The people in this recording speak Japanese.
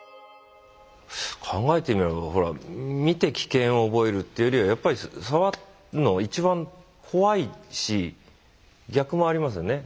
考えてみればほら見て危険を覚えるというよりはやっぱり触るのは一番怖いし逆もありますよね。